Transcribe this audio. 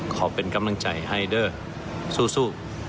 ขอเป็นกำลังใจให้เด้อสู้